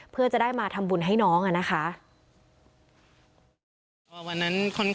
เพื่อจะได้มาทำบุญให้น้องอะนะคะ